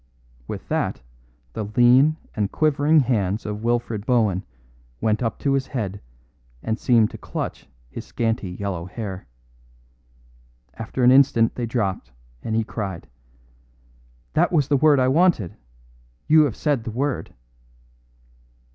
With that the lean and quivering hands of Wilfred Bohun went up to his head and seemed to clutch his scanty yellow hair. After an instant they dropped, and he cried: "That was the word I wanted; you have said the word."